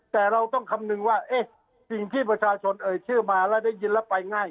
แต่เราต้องคำนึงว่าสิ่งที่ประชาชนเอ่ยชื่อมาแล้วได้ยินแล้วไปง่าย